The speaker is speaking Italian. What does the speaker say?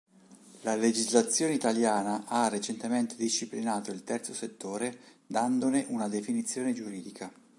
La legislazione italiana ha recentemente disciplinato il terzo settore dandone una definizione giuridica.